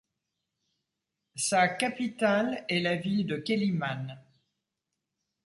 Sa capitale est la ville de Quélimane.